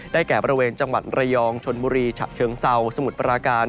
แก่บริเวณจังหวัดระยองชนบุรีฉะเชิงเซาสมุทรปราการ